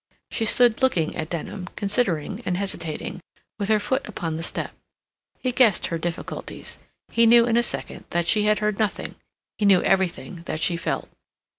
She stood looking at Denham, considering and hesitating, with her foot upon the step. He guessed her difficulties; he knew in a second that she had heard nothing; he knew everything that she felt.